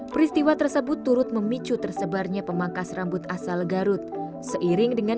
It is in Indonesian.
peristiwa tersebut turut memicu tersebarnya pemangkas rambut asal garut seiring dengan